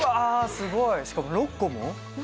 すごいしかも６個も？